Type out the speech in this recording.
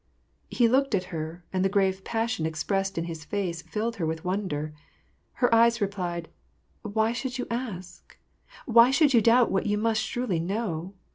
" He looked at her, and the grave passion expressed in his face filled her with wonder. Her eyes replied, " Why should you ask ? Why should you doubt what you must surely know